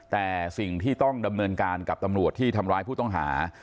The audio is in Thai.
แต่สิ่งที่ต้องดำเนินการกับตำรวจที่ทำร้ายผู้ต้องหา